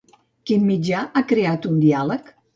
Quin mitjà ha creat un diàleg?